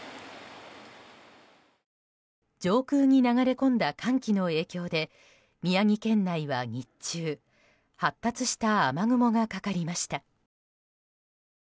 上空に流れ込んだ寒気の影響で宮城県内は日中発達した雨雲がかかりました。